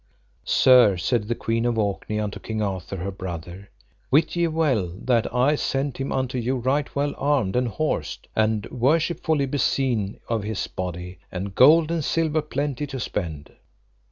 Sir, said the Queen of Orkney unto King Arthur her brother, wit ye well that I sent him unto you right well armed and horsed, and worshipfully beseen of his body, and gold and silver plenty to spend.